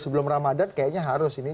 sebelum ramadhan kayaknya harus ini